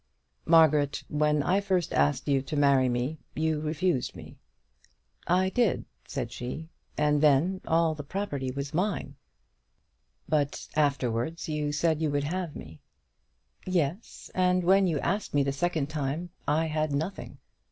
"Margaret, when I first asked you to marry me, you refused me." "I did," said she; "and then all the property was mine." "But afterwards you said you would have me." "Yes; and when you asked me the second time I had nothing.